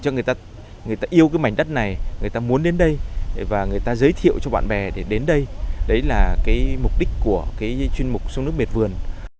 người ta yêu cái mảnh đất này người ta muốn đến đây và người ta giới thiệu cho bạn bè để đến đây đấy là cái mục đích của cái chuyên mục sông nước miệt vườn